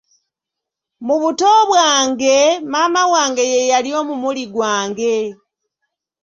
Mu buto bwange, maama wange ye yali omumuli gwange.